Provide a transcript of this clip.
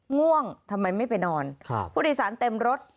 ง่วงทำไมไม่ไปนอนผู้โดยสารเต็มรถ